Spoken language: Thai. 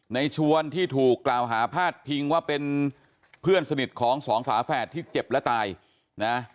ในชวนที่ถูกกล่าวหาพาดพิงว่าเป็นเพื่อนสนิทของสองฝาแฝดที่เจ็บและตายนะ